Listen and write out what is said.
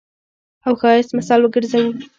او ښايست مثال وګرځوو.